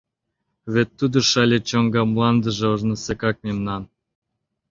Вет тудо Шале чоҥга мландыже ожнысекак мемнан.